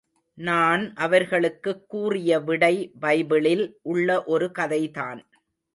நான் அவர்களுக்குக் கூறிய விடை பைபிளில் உள்ள ஒரு கதைதான்.